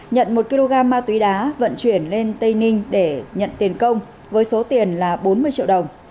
nhận một kg ma túy đá vận chuyển lên tây ninh để nhận tiền công với số tiền là bốn mươi triệu đồng